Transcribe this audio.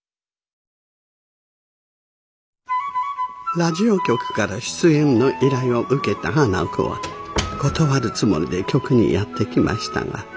ラジオ局から出演の依頼を受けた花子は断るつもりで局にやって来ましたが。